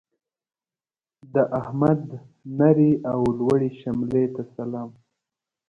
د احمد نرې او لوړې شملې ته سلام.